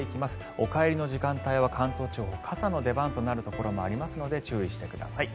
お帰りの時間帯は関東地方傘の出番となるところもありますので注意してください。